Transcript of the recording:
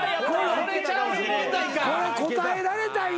これ答えられたんや。